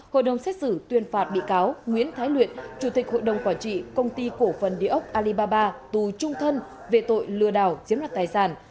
hội đồng xét xử tuyên phạt bị cáo nguyễn thái luyện chủ tịch hội đồng quản trị công ty cổ phần địa ốc alibaba tù trung thân về tội lừa đảo chiếm đoạt tài sản